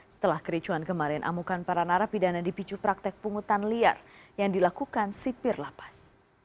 setelah kericuan kemarin amukan para narapidana dipicu praktek pungutan liar yang dilakukan sipir lapas